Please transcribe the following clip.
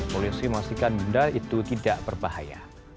polisi memastikan benda itu tidak berbahaya